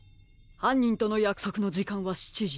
はんにんとのやくそくのじかんは７じ。